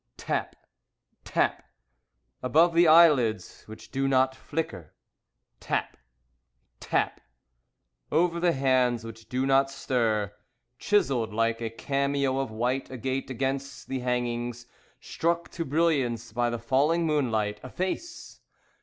Tap! Tap! Above the eyelids which do not flicker. Tap! Tap! Over the hands which do not stir. Chiselled like a cameo of white agate against the hangings, Struck to brilliance by the falling moonlight, A face!